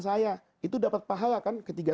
saya itu dapat pahala kan ketika